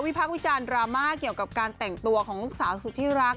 พักวิจารณ์ดราม่าเกี่ยวกับการแต่งตัวของลูกสาวสุดที่รัก